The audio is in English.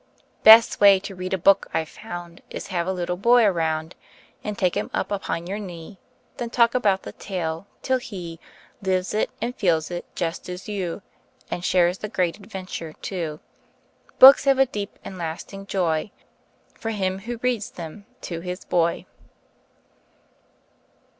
Best way to read a book I've found Is have a little boy around And take him up upon your knee; Then talk about the tale, till he Lives it and feels it, just as you, And shares the great adventure, too. Books have a deep and lasting joy For him who reads them to his boy.